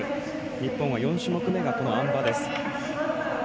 日本は４種目めがこのあん馬です。